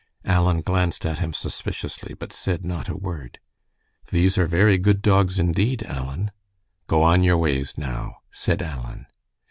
Alan glanced at him suspiciously, but said not a word. "These are very good dogs, indeed, Alan." "Go on your ways, now," said Alan.